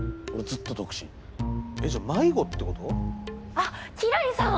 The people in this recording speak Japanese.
あっ輝星さん！